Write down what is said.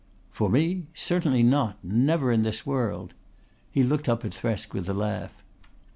"For me? Certainly not! Never in this world." He looked up at Thresk with a laugh.